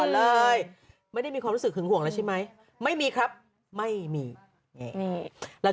เลยไม่ได้มีความรู้สึกหึงห่วงแล้วใช่ไหมไม่มีครับไม่มีนี่แล้ว